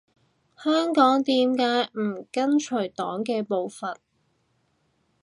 香港點解唔緊隨黨嘅步伐？